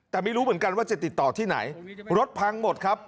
แต่ไม่รู้เหมือนกันว่าจะติดต่อที่ไหนรถพังหมดครับ